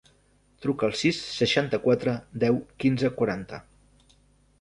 Truca al sis, seixanta-quatre, deu, quinze, quaranta.